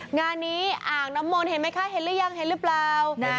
งานนี้อ่างน้ำมนต์เห็นไหมคะเห็นหรือยังเห็นหรือเปล่า